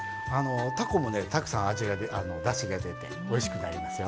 たこもねたくさんだしが出ておいしくなりますよ。